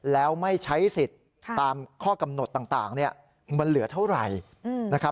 แล้วไม่ใช้สิทธิ์ตามข้อกำหนดต่างมันเหลือเท่าไหร่นะครับ